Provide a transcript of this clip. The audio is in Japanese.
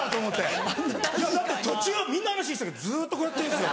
だって途中みんな話してたけどずっとこうやってるんですよ。